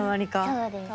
そうです。